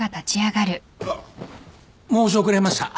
あっ申し遅れました。